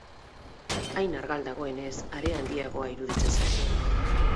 Hain argal dagoenez, are handiagoa iruditzen zaio.